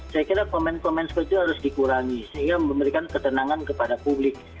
saya kira komen komen seperti itu harus dikurangi sehingga memberikan ketenangan kepada publik